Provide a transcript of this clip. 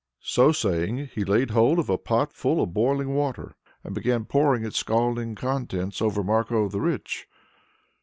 So saying he laid hold of a pot full of boiling water and began pouring its scalding contents over Marko the Rich.